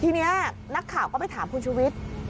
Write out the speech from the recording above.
ทีนี้นักข่าวก็ไปถามคุณชุวิต